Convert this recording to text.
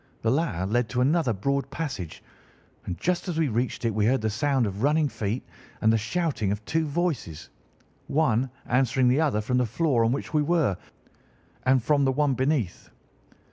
The latter led to another broad passage, and just as we reached it we heard the sound of running feet and the shouting of two voices, one answering the other from the floor on which we were and from the one beneath.